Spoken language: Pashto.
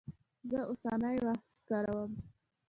زه اوسنی وخت کاروم.